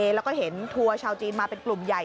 แล้วก็เห็นทัวร์ชาวจีนมาเป็นกลุ่มใหญ่